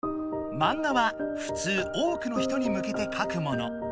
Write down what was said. マンガはふつう多くの人にむけてかくもの。